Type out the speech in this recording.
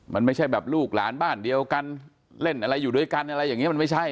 มันไม่ใช่แบบลูกหลานบ้านเดียวกันเล่นอะไรอยู่ด้วยกันอะไรอย่างนี้มันไม่ใช่